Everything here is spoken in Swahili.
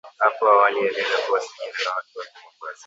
Hapo awali, aliweza kuwasiliana na watu wake Mombasa